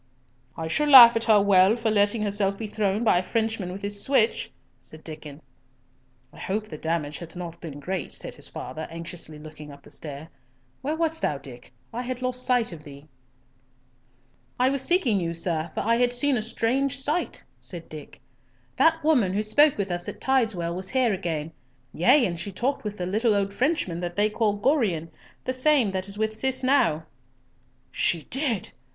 "I shall laugh at her well for letting herself be thrown by a Frenchman with his switch," said Diccon. "I hope the damage hath not been great," said his father, anxiously looking up the stair. "Where wast thou, Dick? I had lost sight of thee." "I was seeking you, sir, for I had seen a strange sight," said Dick. "That woman who spoke with us at Tideswell was here again; yea, and she talked with the little old Frenchman that they call Gorion, the same that is with Cis now." "She did!